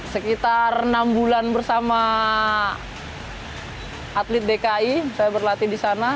sekitar enam bulan bersama atlet dki saya berlatih di sana